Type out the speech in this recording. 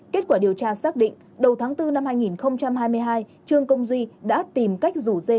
kết quả điều tra xác định đầu tháng bốn năm hai nghìn hai mươi hai trương công duy đã tìm cách rủ dê